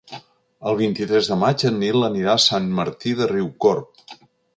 El vint-i-tres de maig en Nil anirà a Sant Martí de Riucorb.